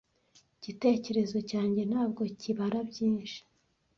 Igitekerezo cyanjye ntabwo kibara byinshi